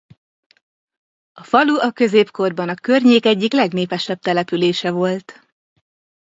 A falu a középkorban a környék egyik legnépesebb települése volt.